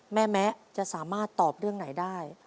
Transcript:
แม่แมะจะสามารถตอบเรื่องไหนได้